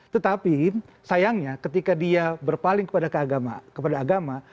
tetapi sayangnya ketika dia berpaling kepada agama